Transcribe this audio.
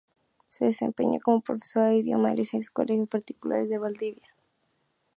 Se desempeñó como profesora de ese idioma en liceos y colegios particulares de Valdivia.